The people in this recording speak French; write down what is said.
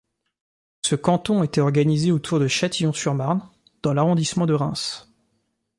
Ce canton était organisé autour de Châtillon-sur-Marne dans l'arrondissement de Reims.